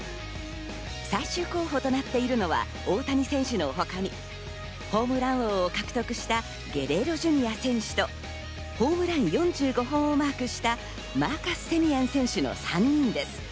最終候補となっているのは大谷選手のほかにホームラン王を獲得したゲレーロＪｒ．選手とホームラン４５本をマークしたマーカス・セミエン選手の３人です。